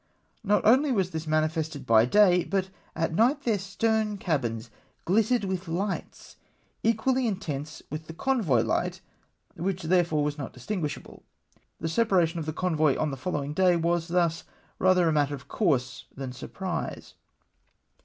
Not only was this manifested by day, but at night their stern cabins ghttered with hghts, equally intense with the convoy hglit, which therefore was not distinguishable. The separation of the convoy on the following day was thus rather a matter of course than of surprise.